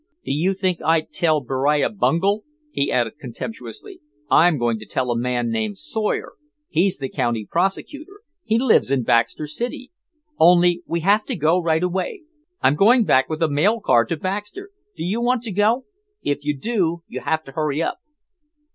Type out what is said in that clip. Do you think I'd tell Beriah Bungel?" he added contemptuously. "I'm going to tell a man named Sawyer, he's the county prosecutor, he lives in Baxter City. Only we have to go right away. I'm going back with the mail car to Baxter. Do you want to go? If you do you have to hurry up."